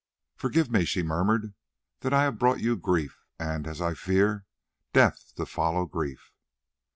"Forgive me," she murmured, "that I have brought you grief, and, as I fear, death to follow grief."